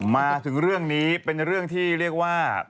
มาถึงเรื่องนี้เป็นเรื่องที่เรียกว่า